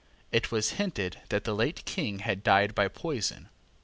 It was hinted that the late King had died by poison.